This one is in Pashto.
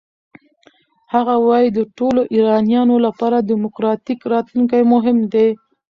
هغه وايي د ټولو ایرانیانو لپاره دموکراتیک راتلونکی مهم دی.